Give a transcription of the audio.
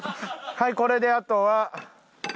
はいこれであとは。